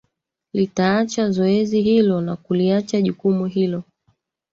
litaachaa zoezi hilo na kuliacha jukumu hilo